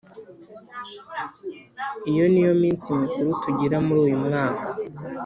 Iyo ni yo minsi mikuru tugira muri uyu mwaka